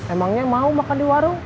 emangnya mau makan di warung